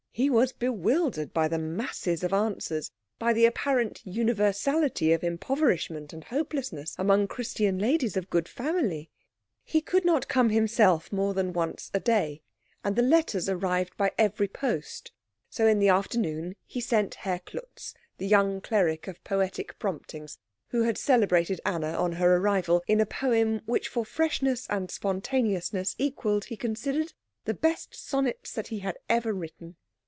He was bewildered by the masses of answers, by the apparent universality of impoverishment and hopelessness among Christian ladies of good family. He could not come himself more than once a day, and the letters arrived by every post; so in the afternoon he sent Herr Klutz, the young cleric of poetic promptings, who had celebrated Anna on her arrival in a poem which for freshness and spontaneousness equalled, he considered, the best sonnets that had ever been written.